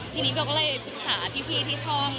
ทีนี้เบลก็เลยปรึกษาพี่ที่ช่อง